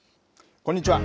こんにちは。